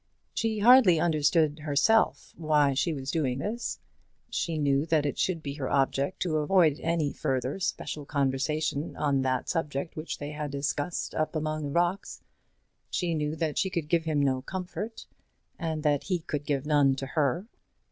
She hardly understood, herself, why she was doing this. She knew that it should be her object to avoid any further special conversation on that subject which they had discussed up among the rocks. She knew that she could give him no comfort, and that he could give none to her.